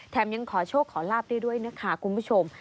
ยังขอโชคขอลาบได้ด้วยนะคะคุณผู้ชม